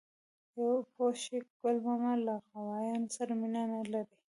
_پوه شوې؟ ګل ماما له غوايانو سره مينه نه لري.